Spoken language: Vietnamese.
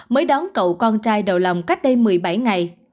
mới đón cậu con trai đầu lòng cách đây một mươi bảy ngày